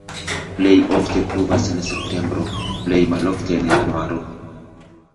Plej ofte pluvas en septembro, plej malofte en januaro.